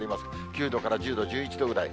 ９度から１０度、１１度ぐらい。